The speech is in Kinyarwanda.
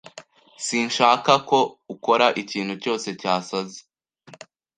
Sinshaka ko ukora ikintu cyose cyasaze.